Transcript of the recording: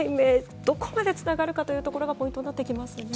どこまでつながるかというところがポイントになってきますね。